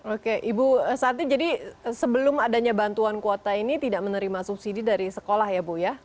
oke ibu sati jadi sebelum adanya bantuan kuota ini tidak menerima subsidi dari sekolah ya bu ya